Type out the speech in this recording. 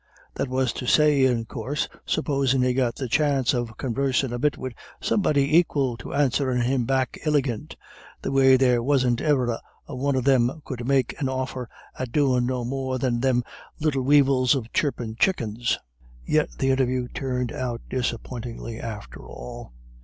That was to say, in coorse, supposin' he got the chance of convarsin' a bit wid somebody aquil to answerin' him back iligant, the way there wasn't e'er a one of thim could make an offer at doin' no more than thim little weevils of chirpin' chuckens." Yet the interview turned out disappointingly after all.